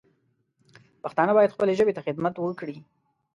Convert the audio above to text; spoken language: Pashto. پښتانه باید خپلې ژبې ته خدمت وکړي